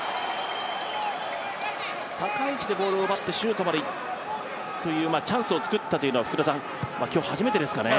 高い位置でボールを奪ってシュートまでというチャンスを作ったというのは今日初めてですかね。